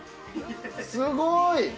すごい！